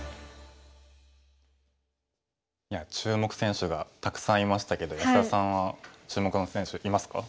いや注目選手がたくさんいましたけど安田さんは注目の選手いますか？